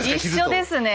一緒ですね。